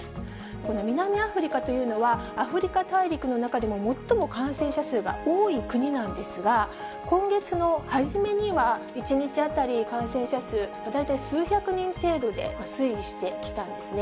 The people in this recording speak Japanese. この南アフリカというのは、アフリカ大陸の中でも最も感染者数が多い国なんですが、今月の初めには１日当たり、感染者数大体数百人程度で推移してきたんですね。